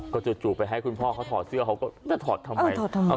ก็จะจูบไปให้คุณพ่อเขาถอดเสื้อเขาก็ถ้าถอดทำไมถอดทำไม